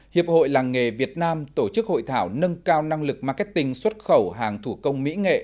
hiệp hội làng nghề việt nam tổ chức hội thảo nâng cao năng lực marketing xuất khẩu hàng thủ công mỹ nghệ